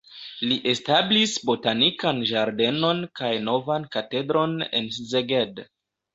Li establis botanikan ĝardenon kaj novan katedron en Szeged.